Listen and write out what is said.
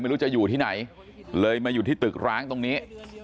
ไม่รู้จะอยู่ที่ไหนเลยมาอยู่ที่ตึกร้างตรงนี้